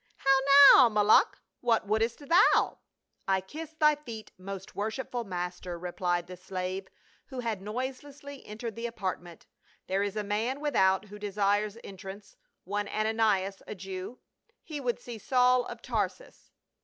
— How now, Malluch ! What wouldst thou ?"" I kiss thy feet, most worshipful master," replied the slave, who had noiselessly entered the apartment. "There is a man without who desires entrance, one Ananias, a Jew. He would see Saul of Tarsus."